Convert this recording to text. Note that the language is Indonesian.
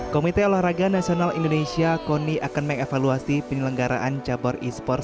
komite olahraga nasional indonesia koni akan mengevaluasi penyelenggaraan cabar e sports